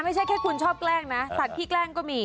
ไม่ใช่แค่คุณชอบแกล้งนะสัตว์ที่แกล้งก็มี